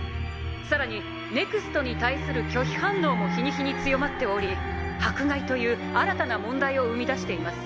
更にＮＥＸＴに対する拒否反応も日に日に強まっており『迫害』という新たな問題を生み出しています。